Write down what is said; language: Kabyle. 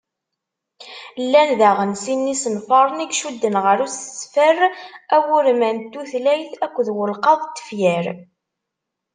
Llan daɣen sin n yisenfaren i icudden ɣer usesfer awurman n tutlayt akked ulqaḍ n tefyar;